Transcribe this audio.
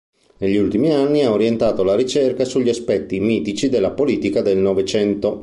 Negli ultimi anni ha orientato la ricerca sugli aspetti mitici della politica nel Novecento.